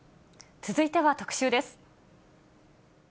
続いては特集です。